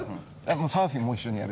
サーフィンも一緒にやるし。